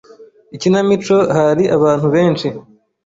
Ikinamico hari abantu benshi.